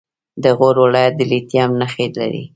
د غور ولایت د لیتیم نښې لري.